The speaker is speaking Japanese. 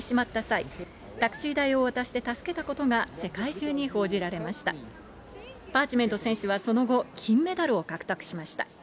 パーチメント選手はその後、金メダルを獲得しました。